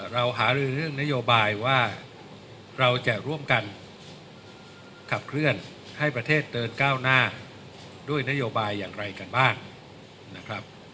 เราหารือเรื่องนโยบายว่าเราจะร่วมกันขับเคลื่อนให้ประเทศเดินก้าวหน้าด้วยนโยบายอย่างไรกันบ้างนะครับ